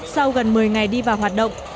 sau gần một mươi ngày đi vào hoạt động